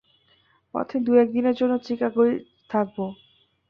পথে দু-এক দিনের জন্য চিকাগোয় থাকব।